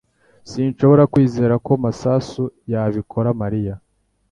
Sinshobora kwizera ko Masasu yabikora Mariya